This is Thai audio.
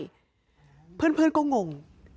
ก็ไม่ได้มีเรื่องทะเลาะกับใครไม่ได้มีปัญหาอะไรกับใคร